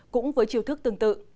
cũng với chiêu thức tương tự